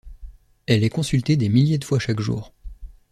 Elle est consultée des milliers de fois chaque jour.